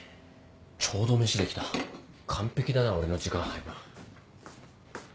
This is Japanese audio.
ちょうど飯できた完璧だな俺の時間配分。